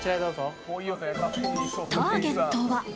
ターゲットは。